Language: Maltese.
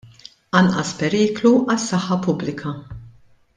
Anqas periklu għas-saħħa pubblika.